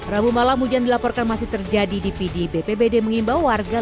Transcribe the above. rabu malam hujan dilaporkan masih terjadi di pd bpbd mengimbau warga